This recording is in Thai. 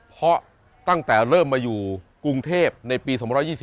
เพราะตั้งแต่เริ่มมาอยู่กรุงเทพในปี๒๒๐